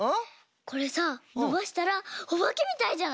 これさのばしたらおばけみたいじゃない？